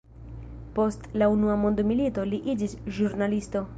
Post la unua mondmilito li iĝis ĵurnalisto.